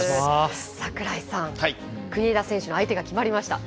櫻井さん、国枝選手の相手が決まりました。